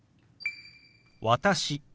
「私」。